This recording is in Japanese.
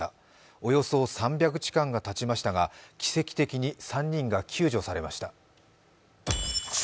およそ３００時間がたちましたが奇跡的に３人が救助されました。